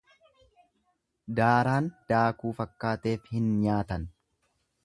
Daaraan daakuu fakkaateef hin nyaatan.